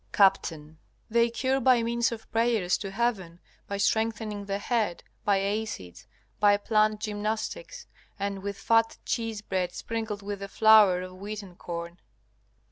Capt. They cure by means of prayers to heaven, by strengthening the head, by acids, by planned gymnastics, and with fat cheese bread sprinkled with the flour of wheaten corn.